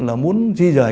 là muốn di rời